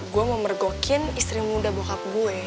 gua mau mergokin istri muda bokap gue